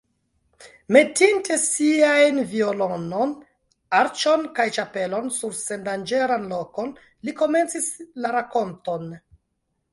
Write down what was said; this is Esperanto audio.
Metinte siajn violonon, arĉon kaj ĉapelon sur sendanĝeran lokon, li komencis la rakonton.